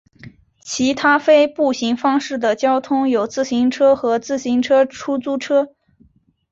其他非步行方式的交通有自行车和自行车出租车。